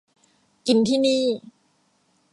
กินที่นี่